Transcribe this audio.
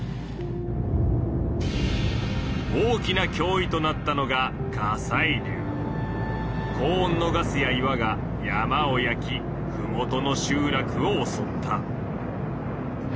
大きな脅威となったのが高温のガスや岩が山を焼きふもとの集落をおそった。